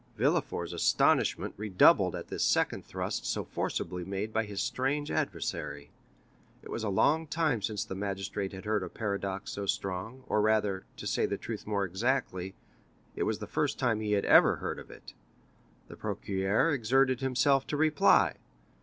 Villefort's astonishment redoubled at this second thrust so forcibly made by his strange adversary. It was a long time since the magistrate had heard a paradox so strong, or rather, to say the truth more exactly, it was the first time he had ever heard of it. The procureur exerted himself to reply.